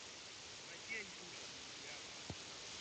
Jacob aliwaza angemjuaje mtu aliyekusudiwa yule jamaa